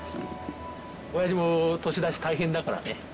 親父も年だし大変だからね。